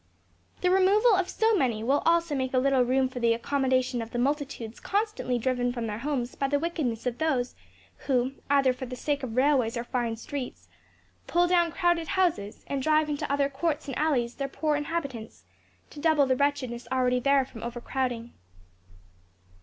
The removal of so many will also make a little room for the accommodation of the multitudes constantly driven from their homes by the wickedness of those, who, either for the sake of railways or fine streets, pull down crowded houses, and drive into other courts and alleys their poor inhabitants, to double the wretchedness already there from overcrowding.